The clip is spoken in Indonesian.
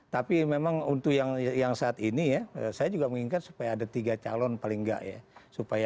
tapi memang untuk yang saat ini ya saya juga mengingat supaya ada tiga calon paling enggak ya